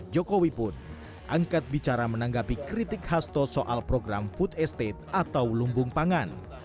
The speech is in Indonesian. jokowi pun angkat bicara menanggapi kritik hasto soal program food estate atau lumbung pangan